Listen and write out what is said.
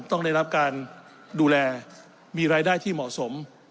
ต้องได้รับการดูแลมีรายได้ที่เหมาะสม